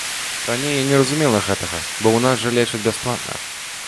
Раней я не разумела гэтага, бо ў нас жа лечаць бясплатна.